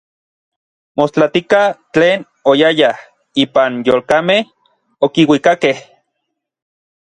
Mostlatika tlen oyayaj ipan yolkamej okiuikakej.